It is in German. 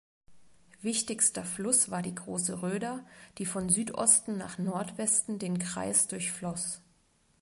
Wichtigster Fluss war die Große Röder, die von Südosten nach Nordwesten den Kreis durchfloss.